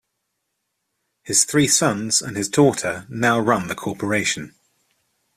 His three sons and his daughter now run the corporation.